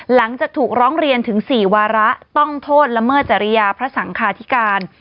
หลังจากถูกร้องเรียนถึง๔วาระต้องโทษละเมิดจริยาพระสังคาธิการ